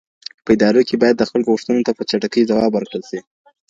په ادارو کي باید د خلګو غوښتنو ته په چټکۍ ځواب ورکړل سي.